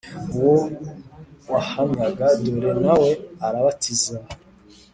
uwo wahamyaga dore na we arabatiza